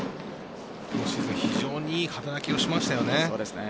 今シーズン非常に良い働きをしましたよね。